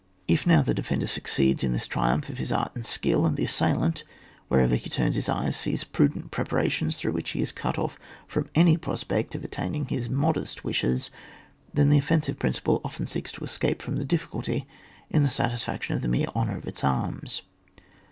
If now the defender succeeds in this triumph of his art and skill, and the asscdlant, wherever he turns his eyes, sees prudent preparations through which he is cut off from any prospect of attain ing his modest wishes : then the offensive principle often seeks to escape from the difficulty in the satisfaction of the mere honour of its arms.